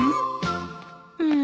うん？